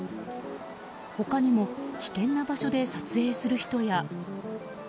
他にも、危険な場所で撮影する人や。